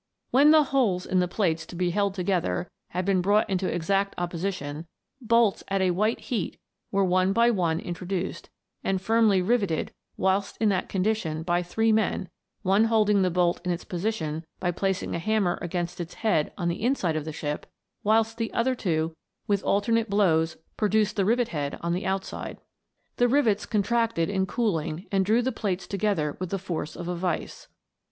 When the holes in the plates to be held together had been brought into exact opposition, bolts at a white heat were one by one introduced, and firmly riveted whilst in that condition by three men, one holding the bolt in its position by placing a hammer against its head on the inside of the ship, whilst the other two with alternate blows produced the rivet head on the outside. The rivets contracted THE WONDERFUL LAMP. 315 in cooling, and drew the plates together with the force of a vice.